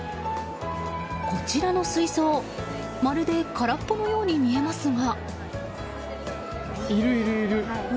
こちらの水槽まるで空っぽのように見えますが。